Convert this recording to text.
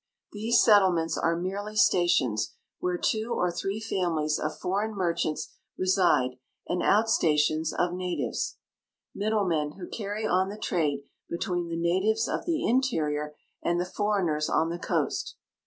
These settlements are merel}'' stations, where two or three families of foreign merchants reside, and outstations of natives — middlemen, who carry on the trade between the natives of the interior and the foreigners on the coast.